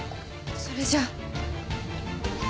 それじゃあ。